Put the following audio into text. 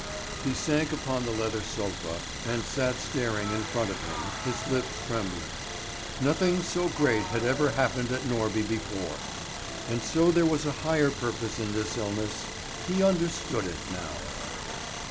He sank upon the leather sofa, and sat staring in front of him, his lips trembling. Nothing so great had ever happened at Norby before. And so there was a higher purpose in this illness. He understood it now.